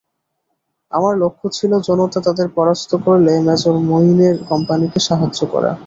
আমার লক্ষ্য ছিল জনতা তাদের পরাস্ত করলে মেজর মঈনের কোম্পানিকে সাহায্য করা।